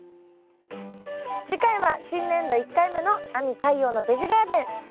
次回は新年度１回目の「亜美＆太陽のベジガーデン」